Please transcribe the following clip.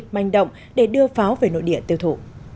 manh động để đưa pháo về nội địa tiêu thụ